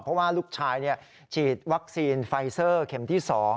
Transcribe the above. เพราะว่าลูกชายฉีดวัคซีนไฟเซอร์เข็มที่๒